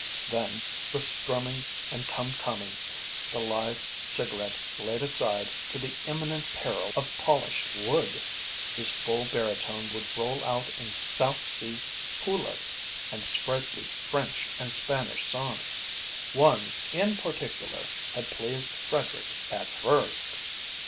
Then, with strumming and tumtuming, the live cigarette laid aside to the imminent peril of polished wood, his full baritone would roll out in South Sea hulas and sprightly French and Spanish songs. One, in particular, had pleased Frederick at first.